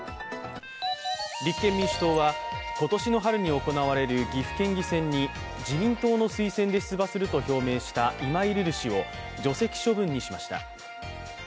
立憲民主党は今年の春に行われる岐阜県議選に自民党の推薦で出馬すると表明した今井瑠々氏を除籍処分にしました。